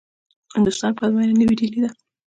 د هندوستان پلازمېنه نوې ډيلې دې.